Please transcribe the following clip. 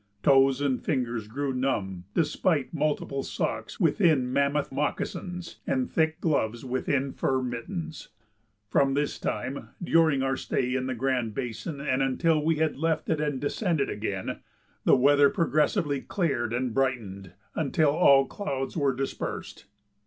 Toes and fingers grew numb despite multiple socks within mammoth moccasins and thick gloves within fur mittens. From this time, during our stay in the Grand Basin and until we had left it and descended again, the weather progressively cleared and brightened until all clouds were dispersed.